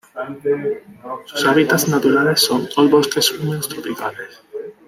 Sus hábitats naturales son bosques húmedos tropicales.